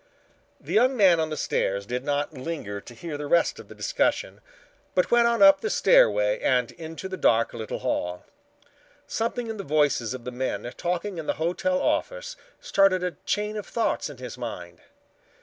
The young man on the stairs did not linger to hear the rest of the discussion, but went on up the stairway and into the little dark hall. Something in the voices of the men talking in the hotel office started a chain of thoughts in his mind.